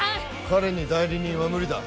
彼に代理人は無理だ